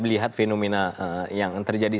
melihat fenomena yang terjadi